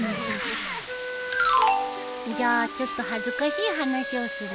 じゃあちょっと恥ずかしい話をするね。